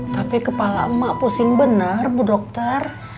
tapi kepala emak pusing benar bu dokter